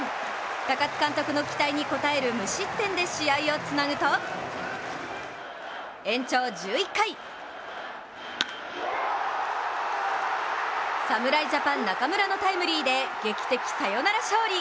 高津監督の期待に応える無失点で試合をつなぐと延長１１回侍ジャパン・中村のタイムリーで劇的サヨナラ勝利。